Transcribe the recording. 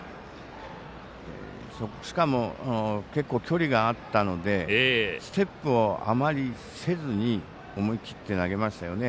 しかも、結構距離があったのでステップをあまりせずに思い切って投げましたよね。